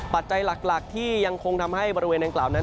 ปัจจัยหลักที่ยังคงทำให้บริเวณดังกล่าวนั้น